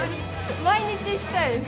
毎日行きたいです。